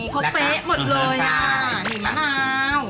คอเป๊ะหมดเลยนี่มะนาว